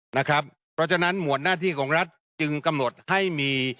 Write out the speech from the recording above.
เพราะฉะนั้นหมวดหน้าที่ของรัฐจึงกำหนดให้มี